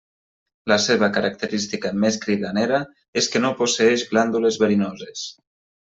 La seva característica més cridanera és que no posseeix glàndules verinoses.